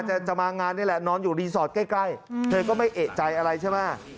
จะมางานนี่แหละนอนอยู่รีสอร์ทใกล้เธอก็ไม่เอกใจอะไรใช่ไหม